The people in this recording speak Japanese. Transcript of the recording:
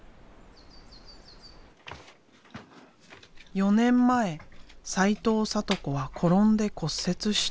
４年前齊藤サト子は転んで骨折した。